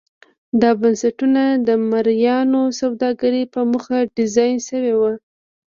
دا بنسټونه د مریانو سوداګرۍ په موخه ډیزاین شوي وو.